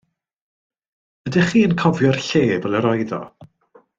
Ydech chi yn cofio'r lle fel yr oedd o?